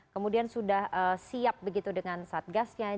kemudian sudah siap begitu dengan satgasnya